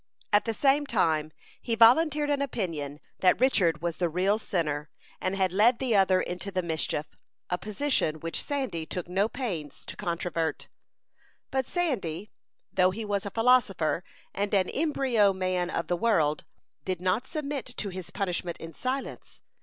At the same time he volunteered an opinion that Richard was the real sinner, and had led the other into the mischief a position which Sandy took no pains to controvert. But Sandy, though he was a philosopher, and an embryo man of the world, did not submit to his punishment in silence.